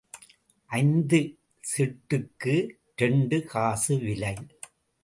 ஐந்து சிட்டுக்கு இரண்டு காசு விலை.